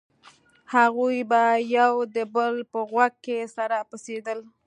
هغوى به يو د بل په غوږ کښې سره پسېدل.